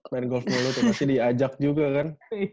main golf dulu tuh pasti diajak juga kan